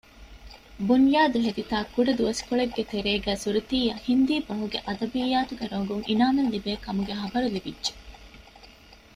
ބުންޔާދު ހެދިތާ ކުޑަދުވަސްކޮޅެއްގެ ތެރޭގައި ސުރުތީއަށް ހިންދީ ބަހުގެ އަދަބިއްޔާތުގެ ރޮނގުން އިނާމެއް ލިބޭ ކަމުގެ ޚަބަރު ލިބިއްޖެ